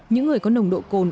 những người có nồng độ cồn